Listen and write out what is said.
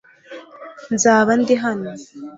Nzaba ndi hano .